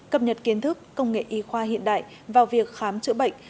cập nhật kiến thức công nghệ y khoa hiện đại vào việc khám chữa bệnh